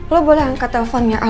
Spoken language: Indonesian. lo boleh angkat telfonnya